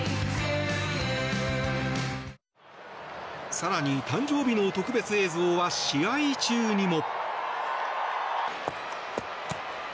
更に、誕生日の特別映像は試合中にも。